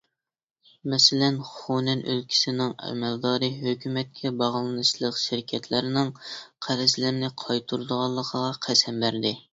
مەسىلەن، خۇنەن ئۆلكىسىنىڭ ئەمەلدارى ھۆكۈمەتكە باغلىنىشلىق شىركەتلەرنىڭ قەرزلىرىنى قايتۇرىدىغانلىقىغا قەسەم بەردى.